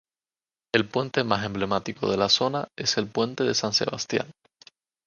El puente más emblemático de la zona es el "Puente de San Sebastián".